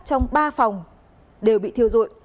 trong ba phòng đều bị thiêu rụi